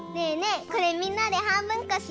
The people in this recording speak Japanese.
これみんなではんぶんこしよう！